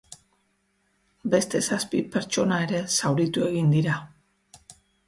Beste zazpi pertsona ere zauritu egin dira.